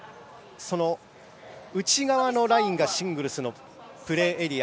その内側のラインがシングルスのプレーエリア。